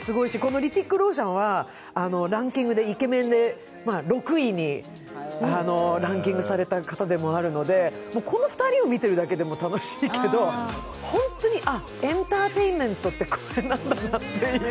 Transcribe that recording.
リティク・ローシャンはイケメンで６位にランキングされた方でもあるのでこの２人を見てるだけでも楽しいけど本当に、エンターテインメントってこれなんだなっていう。